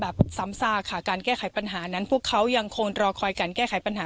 ซ้ำซากค่ะการแก้ไขปัญหานั้นพวกเขายังคงรอคอยการแก้ไขปัญหา